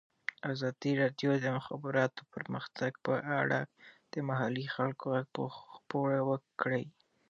ازادي راډیو د د مخابراتو پرمختګ په اړه د محلي خلکو غږ خپور کړی.